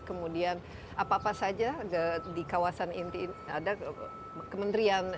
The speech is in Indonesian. kemudian apa apa saja di kawasan inti ada kementerian